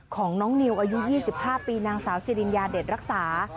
ของน้องนิวอายุ๒๕ปีนางสาวสิริญญาเด็ดรักษา